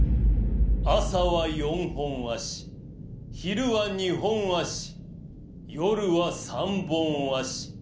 朝は４本足昼は２本足夜は３本足。